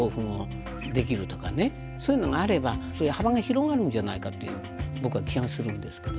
そういうのがあれば幅が広がるんじゃないかという僕は気がするんですけど。